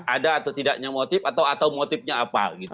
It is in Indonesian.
ada atau tidaknya motif atau motifnya apa gitu